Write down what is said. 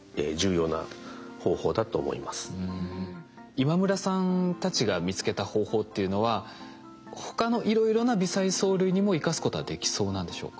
今村さんたちが見つけた方法っていうのは他のいろいろな微細藻類にも生かすことはできそうなんでしょうか？